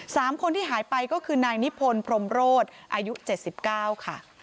สามคนที่หายไปก็คือนายนิพนธ์พรมโรธอายุ๗๙ค่ะ